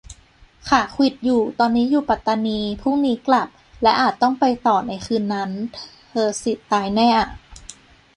ขาขวิดอยู่ ตอนนี้อยู่ปัตตานี พรุ่งนี้กลับ และอาจต้องไปต่อในคืนนั้น เธสิสตายแน่อ่ะ